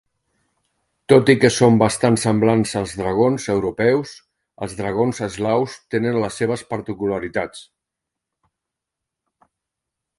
Tot i que són bastant semblants als dragons europeus, els dragons eslaus tenen les seves particularitats.